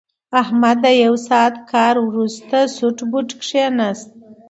احمد له یو ساعت کار نه ورسته سوټ بوټ کېناست.